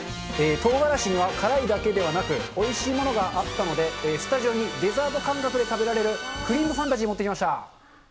とうがらしには辛いだけではなく、おいしいものがあったので、スタジオにデザート感覚で食べられる、クリーム・ファンタジー持ってきました。